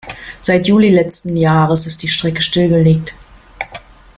Seit Juli letzten Jahres ist die Strecke stillgelegt.